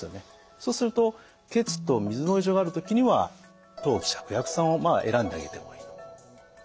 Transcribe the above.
そうすると血と水の異常がある時には当帰芍薬散を選んであげてもいいと。